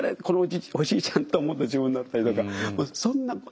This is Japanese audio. このおじいちゃん！」と思ったら自分だったりとかそんな。